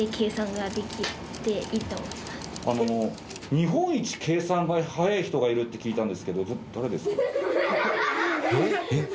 日本一計算が速い人がいるって聞いたんですけど誰ですか？